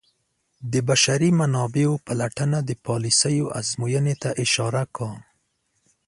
د بشري منابعو پلټنه د پالیسیو ازموینې ته اشاره کوي.